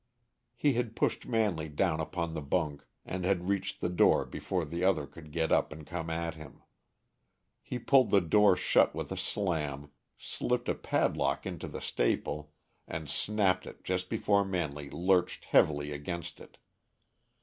He had pushed Manley down upon the bunk, and had reached the door before the other could get up and come at him. He pulled the door shut with a slam, slipped a padlock into the staple, and snapped it just before Manley lurched heavily against it.